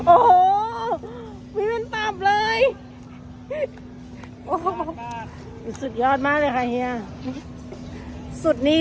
โอ้โหมีเงินต่ำเลยสุดยอดมากเลยค่ะเฮียสุดนี่